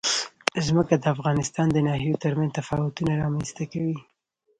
ځمکه د افغانستان د ناحیو ترمنځ تفاوتونه رامنځ ته کوي.